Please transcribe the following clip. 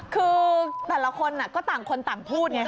คือแต่ละคนก็ต่างคนต่างพูดไง